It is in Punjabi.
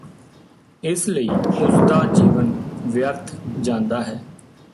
ਇਸ ਲਈ ਉਸ ਦਾ ਜੀਵਨ ਵਿਅਰਥ ਜਾਂਦਾ ਹੈ